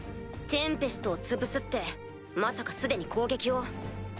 テンペストを潰すってまさか既に攻撃を？